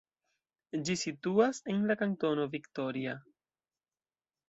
Ĝi situas en la kantono Victoria.